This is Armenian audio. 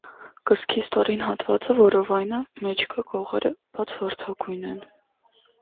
Կրծքի ստորին հատվածները, որովայնը, մեջքը, կողերը վաց վարդագույն են։